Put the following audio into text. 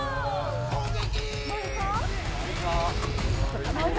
攻撃！